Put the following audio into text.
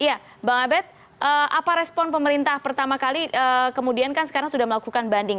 ya bang abed apa respon pemerintah pertama kali kemudian kan sekarang sudah melakukan banding